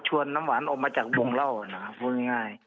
ชวนน้ำหวานออกมาจากวงเหล้านะครับพูดง่าย